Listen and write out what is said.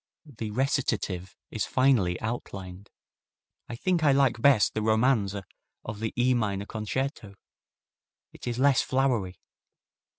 The recitative is finely outlined. I think I like best the romanze of the E minor Concerto. It is less flowery.